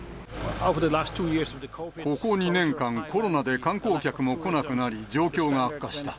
ここ２年間、コロナで観光客も来なくなり、状況が悪化した。